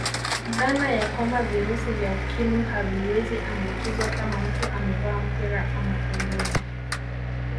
Dhana ya kwamba virusi vya ukimwi haviwezi ambukizwa kama mtu amevaa mpira ama kondomu